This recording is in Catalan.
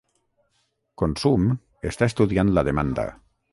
Consum està estudiant la demanda